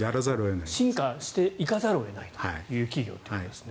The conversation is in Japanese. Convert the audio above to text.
進化していかざるを得ないという企業ということですね。